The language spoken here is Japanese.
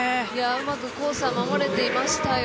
うまくコースは守れていましたよ。